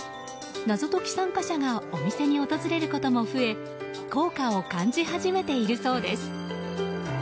謎解き参加者がお店に訪れることも増え効果を感じ始めているそうです。